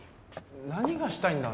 何がしたいんだ？